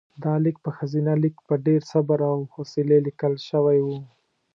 دا لیک په ښځینه لیک په ډېر صبر او حوصلې لیکل شوی و.